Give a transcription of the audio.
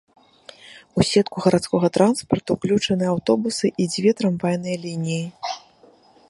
У сетку гарадскога транспарту ўключаны аўтобусы і дзве трамвайныя лініі.